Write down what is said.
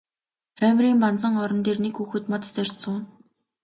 Хоймрын банзан орон дээр нэг хүүхэд мод зорьж сууна.